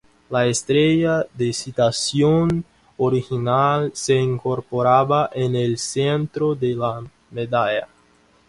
La Estrella de Citación original se incorporaba en el centro de la medalla.